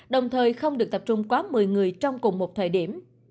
đồng thời không được tập trung quá một mươi người trong cùng một thời điểm